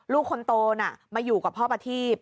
ลูกคนโตน่ะมาอยู่กับพ่อประทีพ